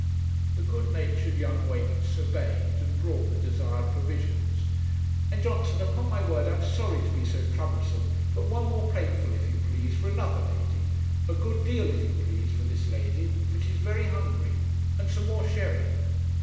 The good natured young Weights obeyed, and brought the desired provisions. 'And Johnson upon my word I'm sorry to be so troublesome but one more plateful if you please for another lady a good deal, if you please, for this lady, for she's very hungry; and some more sherry.'